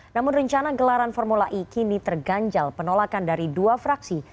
namun rencana gelaran formula e kini terganjal penolakan dari dua fraksi